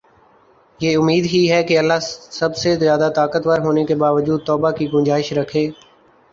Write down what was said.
یہ امید ہی ہے کہ اللہ سب سے زیادہ طاقتور ہونے کے باوجود توبہ کی گنجائش رکھے